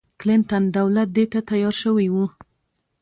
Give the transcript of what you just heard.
کلنټن دولت دې ته تیار شوی و.